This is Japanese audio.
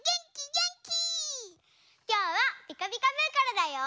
きょうは「ピカピカブ！」からだよ！